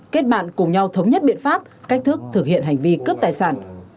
kết bạn cùng nhau thống nhất biện pháp cách thức thực hiện hành vi cướp tài sản